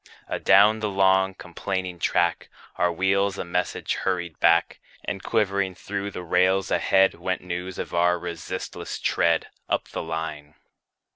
Adown the long, complaining track, Our wheels a message hurried back; And quivering through the rails ahead, Went news of our resistless tread, Up the line.